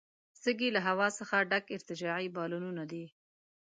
سږي له هوا څخه ډک ارتجاعي بالونونه دي.